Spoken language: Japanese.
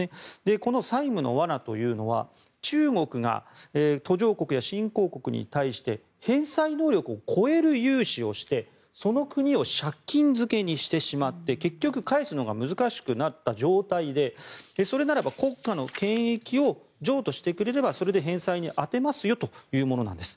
この債務の罠というのは中国が途上国や新興国に対して返済能力を超える融資をしてその国を借金漬けにしてしまって結局、返すのが難しくなった状態でそれならば国家の権益を譲渡してくれればそれで返済に充てますよというものなんです。